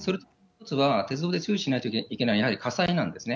鉄道が注意しないといけないのは、やはり火災なんですね。